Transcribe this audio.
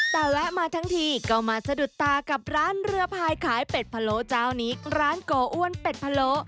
แต่แวะมาทั้งทีก็มาสะดุดตากับร้านเรือพายขายเป็ดพะโลเจ้านี้ร้านโกอ้วนเป็ดพะโล